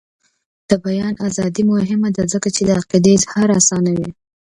د بیان ازادي مهمه ده ځکه چې د عقیدې اظهار اسانوي.